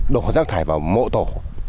đổ rác thải vào mộ tổ